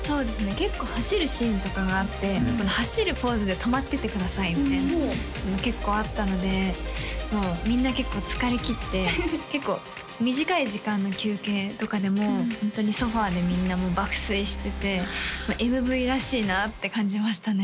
結構走るシーンとかがあって走るポーズで止まっててくださいみたいなのが結構あったのでもうみんな結構疲れ切って結構短い時間の休憩とかでもホントにソファーでみんな爆睡しててＭＶらしいなって感じましたね